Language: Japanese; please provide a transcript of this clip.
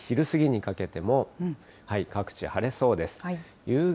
昼過ぎにかけても、各地、晴れそうです。